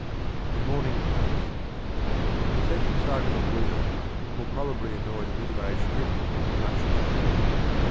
THE MORNING POST. The second cycle of ' Wheels ' will probably annoy the middle aged critic as much as the first.